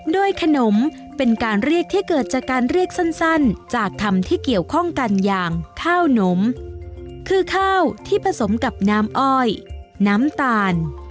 โดยขนมเป็นการเรียกที่เกิดจากการเรียกสั้นจากธรรมที่เกี่ยวข้องกันอย่างข้าวนมคือข้าวที่ผสมกับน้ำอ้อยน้ำตาล